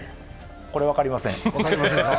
これは分かりません。